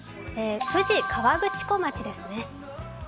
富士河口湖町ですね。